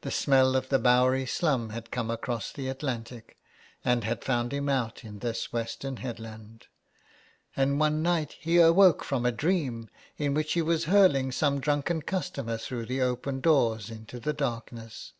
The smell of the Bowery slum had come across the Atlantic, and had found him out in this western headland ; and one night he awoke from a dream in which he was hurling some drunken customer through the open doors into the darkness.